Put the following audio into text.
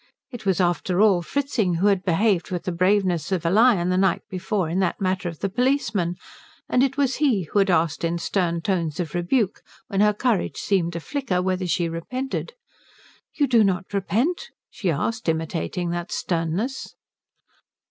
It was after all Fritzing who had behaved with the braveness of a lion the night before in that matter of the policeman; and it was he who had asked in stern tones of rebuke, when her courage seemed aflicker, whether she repented. "You do not repent?" she asked, imitating that sternness.